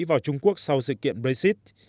vào trung quốc sau sự kiện brexit